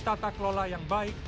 tata kelola yang baik